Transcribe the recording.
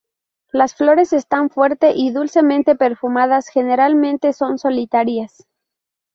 Las flores están fuerte y dulcemente perfumadas, generalmente son solitarias.